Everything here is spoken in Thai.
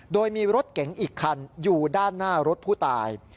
โดยมีรถเก๋งอีกคันอยู่ด้านหน้ารถผู้ตาย